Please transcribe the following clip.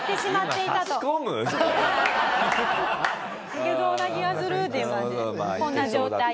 「いけそうな気がする」っていう感じでこんな状態に。